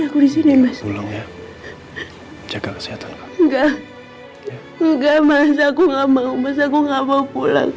aku di sini mas tolong ya jaga kesehatan enggak enggak mas aku nggak mau mas aku nggak mau pulang